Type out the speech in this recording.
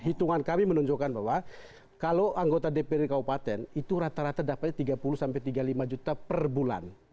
hitungan kami menunjukkan bahwa kalau anggota dprd kabupaten itu rata rata dapatnya tiga puluh sampai tiga puluh lima juta per bulan